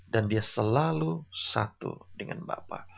dan dia selalu satu dengan bapa